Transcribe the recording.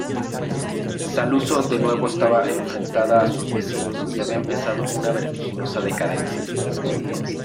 Saluzzo de nuevo estaba enfrentada a sus vecinos y había empezado una vertiginosa decadencia.